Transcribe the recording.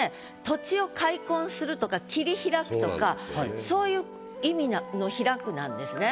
土地を開墾するとか切り拓くとかそういう意味の拓くなんですね。